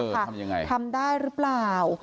คุณสมพรค่ะ